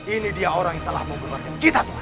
ini dia orang yang telah membunuh warga kita tuhan